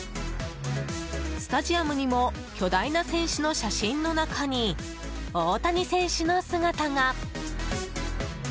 スタジアムにも、巨大な選手の写真の中に大谷選手の姿が。